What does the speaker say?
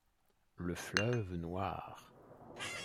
Le Fleuve-Noir